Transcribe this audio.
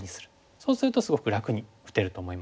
そうするとすごく楽に打てると思います。